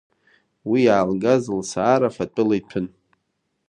Уи иаалгаз лсаара фатәыла иҭәын.